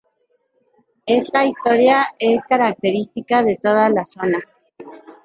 Esta historia es característica de toda la zona.